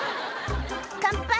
「乾杯」